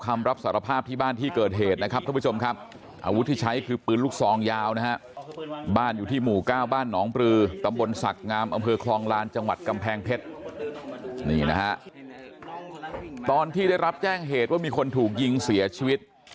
อำเภอครองลานจังหวัดกำแพงเพชรนี่นะฮะตอนที่ได้รับแจ้งเหตุว่ามีคนถูกยิงเสียชีวิต